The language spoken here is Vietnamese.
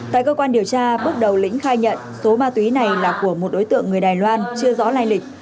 tại cơ quan điều tra bước đầu lĩnh khai nhận số ma túy này là của một đối tượng người đài loan chưa rõ lai lịch